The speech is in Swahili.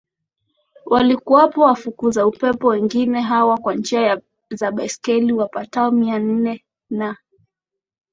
walikuwapo wafukuza upepo wengine hawa kwa njia za baiskeli wapatao mia nne na